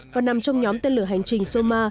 và nằm trong nhóm tên lửa hành trình soma